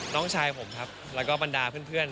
น้องชายผมครับแล้วก็บรรดาเพื่อน